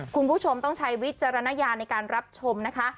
คุณผู้ชมต้องใช้วิจารณญาณในการรับชมนะคะ